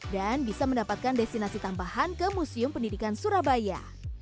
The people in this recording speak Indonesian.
dan bisa mendapatkan destinasi tambahan ke museum pendidikan surabaya